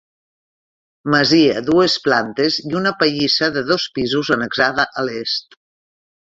Masia dues plantes i una pallissa de dos pisos annexada a l'est.